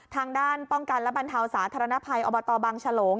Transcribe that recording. ทางด้านป้องกันและบรรเทาสาธารณภัยอบตบังฉลง